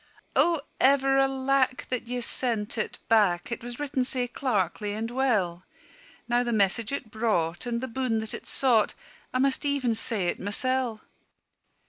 "O ever alack that ye sent it back, It was written sae clerkly and well! Now the message it brought, and the boon that it sought, I must even say it mysel'."